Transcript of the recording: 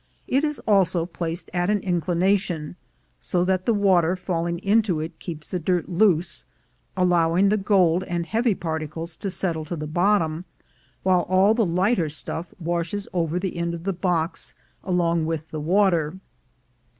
It is also placed at an inclination, so that the water falling into it keeps the dirt loose, allowing the gold and heavy particles to settle to the bottom, while all the lighter stuff washes over the end of the box along with the water.